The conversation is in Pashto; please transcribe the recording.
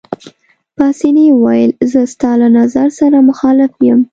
پاسیني وویل: زه ستا له نظر سره مخالف یم.